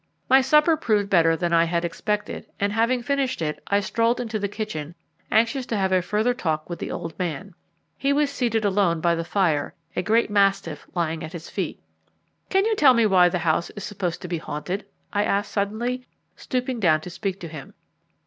My supper proved better than I had expected, and, having finished it, I strolled into the kitchen, anxious to have a further talk with the old man. He was seated alone by the fire, a great mastiff lying at his feet. "Can you tell me why the house is supposed to be haunted?" I asked suddenly, stooping down to speak to him.